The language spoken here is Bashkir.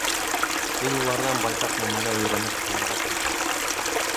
Һин уларҙан байтаҡ нәмәгә өйрәнеп ҡалырға тырыш.